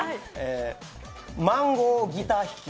マンゴーギター弾き。